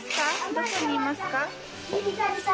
どこにいますか？